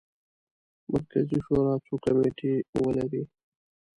مرکزي شورا څو کمیټې ولري.